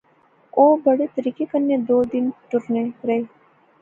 او بڑے طریقے کنے دو دن ٹرنے رہے